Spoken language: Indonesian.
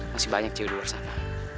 masih banyak ciut di luar sana